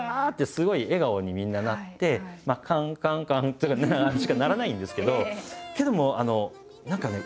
すごい笑顔にみんななって「カンカンカン」とかしか鳴らないんですけどけども何かね